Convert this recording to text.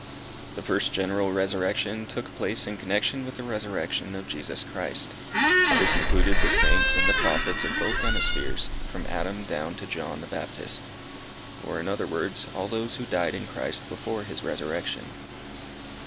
The first general resurrection took place in connexion with the resurrection of Jesus Christ. This included the Saints and Prophets of both hemispheres, from Adam down to John the Baptist; or, in other words, all those who died in Christ before his resurrection.